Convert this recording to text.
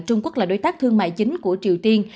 trung quốc là đối tác thương mại chính của triều tiên